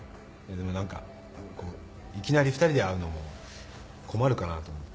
でも何かいきなり二人で会うのも困るかなと思って。